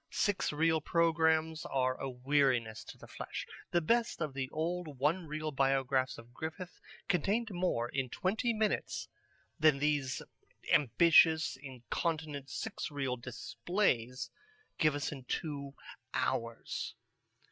Six reel programmes are a weariness to the flesh. The best of the old one reel Biographs of Griffith contained more in twenty minutes than these ambitious incontinent six reel displays give us in two hours.